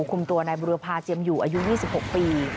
คุมตัวนายบุรพาเจียมอยู่อายุ๒๖ปี